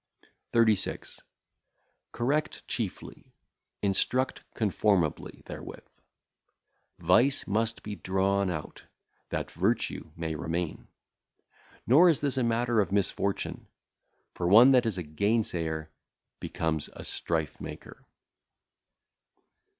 36. Correct chiefly; instruct conformably [therewith]. Vice must be drawn out, that virtue may remain. Nor is this a matter of misfortune, for one that is a gainsayer becometh a strife maker.